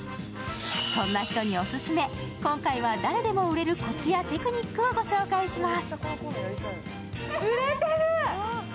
そんな人にオススメ、今回は誰でも売れるコツやテクニックを御紹介します。